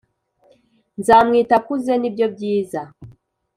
nzamwita akuze nibyo byiza